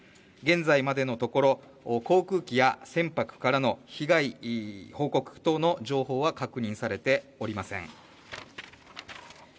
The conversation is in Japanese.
現在までのところ、航空機や船舶からの被害報告等の情報は確認されていません。